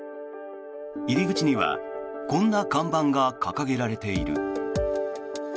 入り口にはこんな看板が掲げられている。